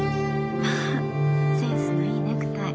まあセンスのいいネクタイ。